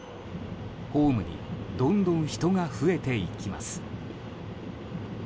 ホームにどんどん人が増えていきます。